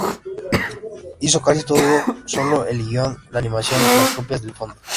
Hizo casi todo solo: el guion, la animación, las copias, el fondo.